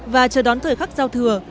và chờ đón thời khắc giao thừa